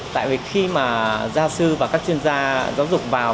tại vì khi mà gia sư và các chuyên gia giáo dục vào